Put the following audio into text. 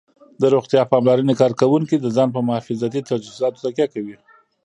د روغتیا پاملرنې کارکوونکي د ځان په محافظتي تجهیزاتو تکیه کوي